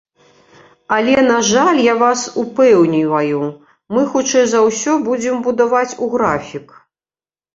Але, на жаль, я вас упэўніваю, мы, хутчэй за ўсё, будзем будаваць у графік.